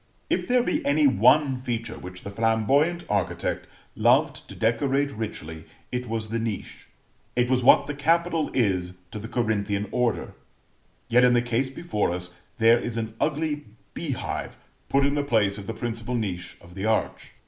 If there be any one feature which the flamboyant architect loved to decorate richly, it was the niche it was what the capital is to the Corinthian order; yet in the case before us there is an ugly beehive put in the place of the principal niche of the arch.